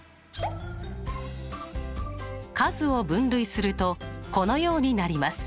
数を分類するとこのようになります。